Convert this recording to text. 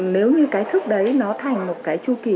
nếu như cái thức đấy nó thành một cái chu kỳ